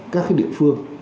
các cái địa phương